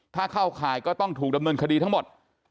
ถ้าเข้าข่ายก็ต้องถูกดำเนินคดีทั้งหมด